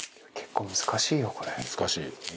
難しい。